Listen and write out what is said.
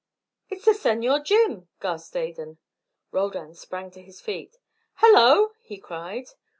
"It's the Senor Jim," gasped Adan. Roldan sprang to his feet. "Hallo!" he cried.